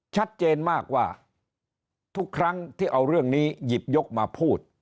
ชัดเจนมากว่าทุกครั้งที่เอาเรื่องนี้หยิบยกมาพูด